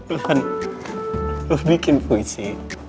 belahan lo bikin puisi